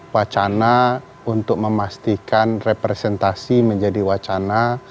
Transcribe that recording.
wacana untuk memastikan representasi menjadi wacana